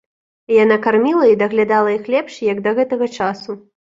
Яна карміла і даглядала іх лепш, як да гэтага часу.